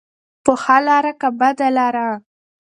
په ښه لاره که بده لاره.